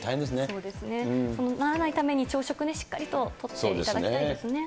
そうならないために、朝食をしっかりととっていただきたいですね。